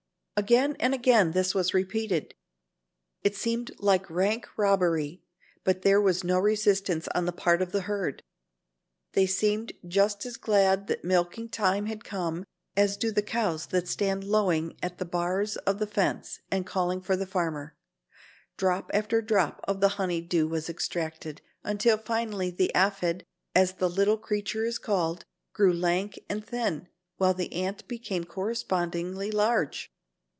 Again and again this was repeated. It seemed like rank robbery, but there was no resistance on the part of the herd. They seemed just as glad that milking time had come as do the cows that stand lowing at the bars of the fence and calling for the farmer. Drop after drop of the honey dew was extracted, until finally the aphid, as the little creature is called, grew lank and thin, while the ant became correspondingly large.